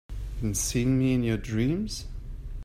Been seeing me in your dreams?